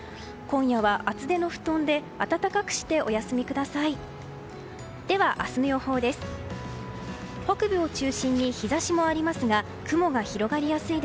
今夜は厚手の布団で暖かくしてお休みください。